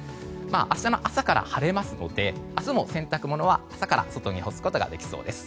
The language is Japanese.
明日の朝から晴れますので明日も洗濯物は朝から外に干すことができそうです。